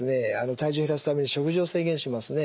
体重減らすために食事を制限しますね